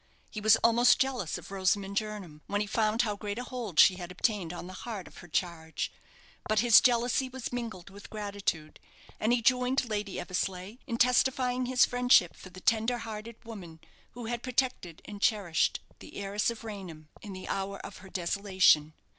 He was almost jealous of Rosamond Jernam, when he found how great a hold she had obtained on the heart of her charge; but his jealousy was mingled with gratitude, and he joined Lady Eversleigh in testifying his friendship for the tender hearted woman who had protected and cherished the heiress of Raynham in the hour of her desolation.